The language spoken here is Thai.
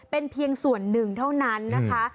เป็นเพียงส่วนหนึ่งเท่านั้นนะคะ